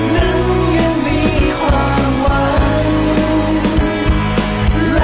เรายังมีความหวัง